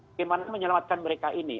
bagaimana menyelamatkan mereka ini